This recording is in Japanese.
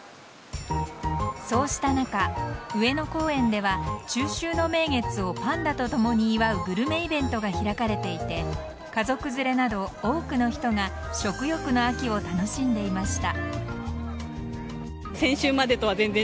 そうした中、上野公園では中秋の名月をパンダとともに祝うグルメイベントが開かれていて家族連れなど多くの人が食欲の秋を楽しんでいました。